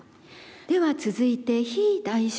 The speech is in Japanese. では続いて非代償期